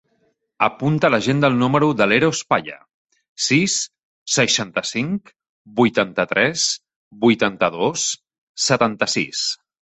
Apunta a l'agenda el número de l'Eros Paya: sis, seixanta-cinc, vuitanta-tres, vuitanta-dos, setanta-sis.